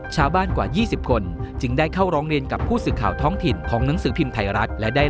ชาวบ้านกว่า๒๐คนจึงได้เข้าร้องเรียนกับผู้สื่อข่าวท้องถิ่นของหนังสือพิมพ์ไทยรัฐ